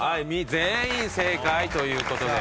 全員正解という事で。